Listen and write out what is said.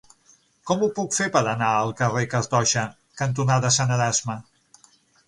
Com ho puc fer per anar al carrer Cartoixa cantonada Sant Erasme?